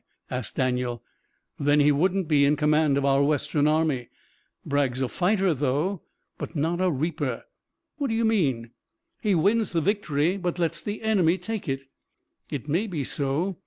asked Daniel. "Then he wouldn't be in command of our Western Army." "Bragg's a fighter, though." "But not a reaper." "What do you mean?" "He wins the victory, but lets the enemy take it." "It may be so.